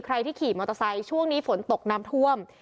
ใครที่ขี่มอเตอร์ไซค์ช่วงนี้ฝนตกน้ำท่วม